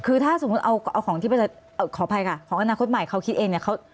คือถ้าสมมติเอาของที่ประเศษขออภัยค่ะของอนาคตใหม่เขาคิดเอง